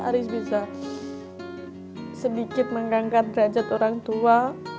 aris bisa sedikit mengangkat derajat orang tua